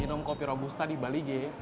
minum kopi robusta di balegi